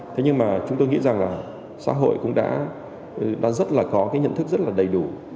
thế nhưng mà chúng tôi nghĩ rằng là xã hội cũng đã rất là có cái nhận thức rất là đầy đủ